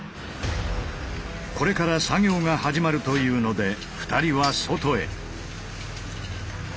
これから作業が始まるというので２人は外へ。